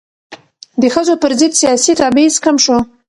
د ښځو پر ضد سیاسي تبعیض کم شو.